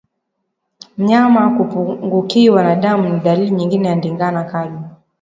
Mnyama kupungukiwa na damu ni dalili nyingine ya ndigana kali